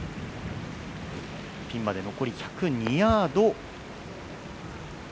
ピンまで残り１０２ヤード。